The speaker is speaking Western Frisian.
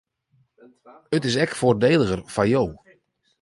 It is ek foardeliger foar jo.